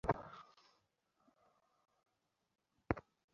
Commander Young, আমি আপনাকে খুব মিস করেছি।